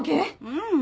うん。